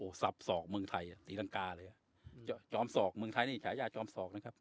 สับสอกเมืองไทยตีรังกาเลยจอมศอกเมืองไทยนี่ฉายาจอมศอกนะครับ